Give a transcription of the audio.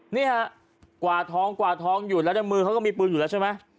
นี่ฮะกวาดทองกวาดทองอยู่แล้วในมือเขาก็มีปืนอยู่แล้วใช่ไหม